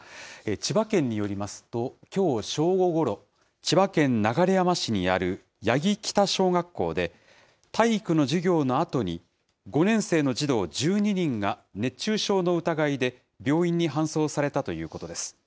千葉県によりますと、きょう正午ごろ、千葉県流山市にある八木北小学校で、体育の授業のあとに、５年生の児童１２人が熱中症の疑いで病院に搬送されたということです。